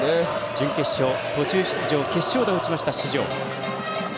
準決勝、途中出場決勝打を打ちました、四條。